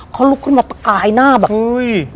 เขาลุกขึ้นมาตะกายหน้าแบบ